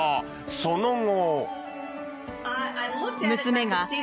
その後。